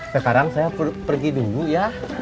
sekarang saya pergi dulu ya